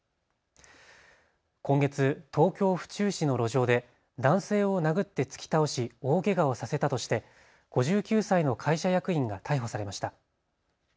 今月、東京府中市の路上で男性を殴って突き倒し、大けがをさせたとして５９歳の会社役員が逮捕されました。